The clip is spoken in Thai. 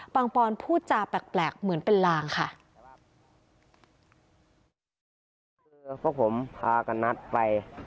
ปอนพูดจาแปลกเหมือนเป็นลางค่ะ